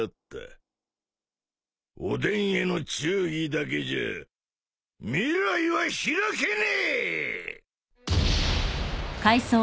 おでんへの忠義だけじゃ未来は開けねえ！